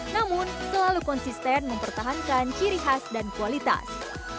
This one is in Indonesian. namun selalu konsisten mempertahankan ciri khas dan kualitas